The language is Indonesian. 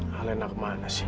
hal enak mana sih